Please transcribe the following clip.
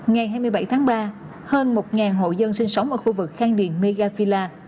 ngày hai mươi bảy tháng ba hơn một hộ dân sinh sống ở khu vực khang điền mega village